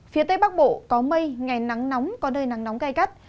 phía tây bắc bộ có mây ngày nắng nóng có nơi nắng nóng gai gắt